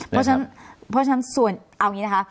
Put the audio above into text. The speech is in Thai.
เพราะฉะนั้นส่วนเอาอย่างนี้นะคะ